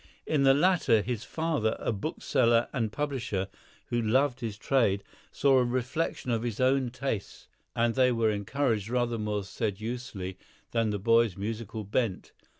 In the latter his father, a bookseller and publisher, who loved his trade, saw a reflection of his own tastes, and they were encouraged rather more sedulously than the boy's musical bent.